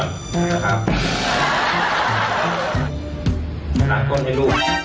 จัดการรูปก่อน